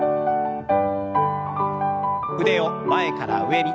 腕を前から上に。